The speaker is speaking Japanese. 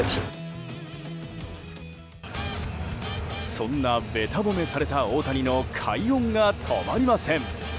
そんな、べた褒めされた大谷の快音が止まりません。